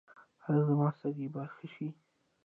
ایا زما سږي به ښه شي؟